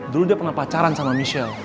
dulu dia pernah pacaran sama michelle